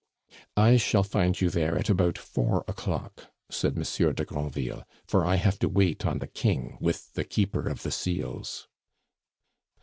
"I shall find you there at about four o'clock," said Monsieur de Granville, "for I have to wait on the King with the Keeper of the Seals."